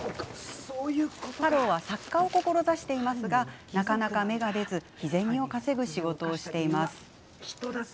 太郎は、作家を志していますがなかなか芽が出ず日銭を稼ぐ仕事をしています。